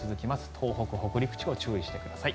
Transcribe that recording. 東北、北陸地方注意してください。